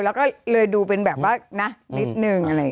แล้วก็เลยดูเป็นแบบว่านะนิดนึงอะไรอย่างนี้